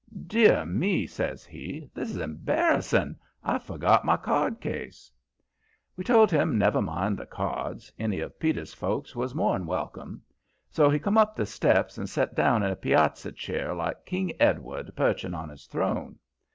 "Dear me!" says he. "This is embarassing. I've forgot my cardcase." We told him never mind the card; any of Peter's folks was more'n welcome. So he come up the steps and set down in a piazza chair like King Edward perching on his throne.